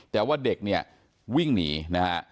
แต่ว่าเด็กเนี่ยวิ่งหนีนะฮะ